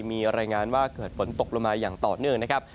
มีรายงานว่าเกิดฝนตกลงมาอย่างต่อเนื่องนะครับ